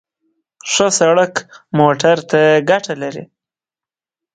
ښه سړک موټر ته ګټه لري.